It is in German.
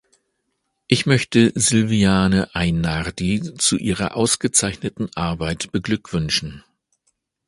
Ich möchte Sylviane Ainardi zu ihrer ausgezeichneten Arbeit beglückwünschen.